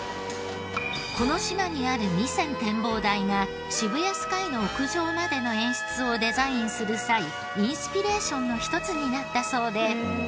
この島にある弥山展望台が渋谷スカイの屋上までの演出をデザインする際インスピレーションの一つになったそうで。